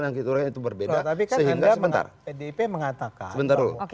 tapi kan dip mengatakan